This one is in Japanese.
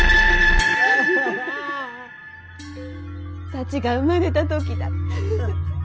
サチが生まれた時だ。